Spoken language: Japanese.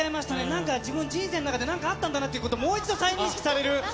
なんか自分、人生の中でなんか、あったんだなってことを、もう一度、再認識される。